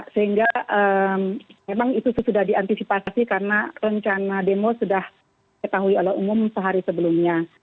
sehingga memang itu sudah diantisipasi karena rencana demo sudah ketahui oleh umum sehari sebelumnya